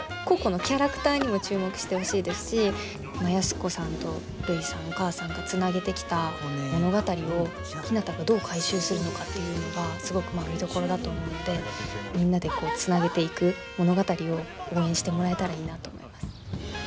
個々のキャラクターにも注目してほしいですし安子さんとるいさんお母さんがつなげてきた物語をひなたがどう回収するのかっていうのがすごく見どころだと思うのでみんなでつなげていく物語を応援してもらえたらいいなと思います。